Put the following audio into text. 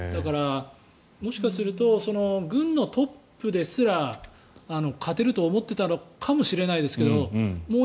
もしかすると軍のトップですら勝てると思ってたのかもしれないですけどもう